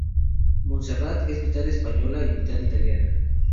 Montserrat es mitad española y mitad italiana.